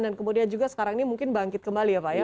dan kemudian juga sekarang ini mungkin bangkit kembali ya pak ya